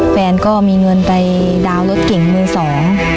แฟนก็มีเงินไปดาวน์รถเก่งมือสอง